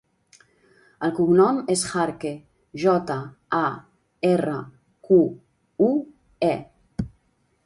El cognom és Jarque: jota, a, erra, cu, u, e.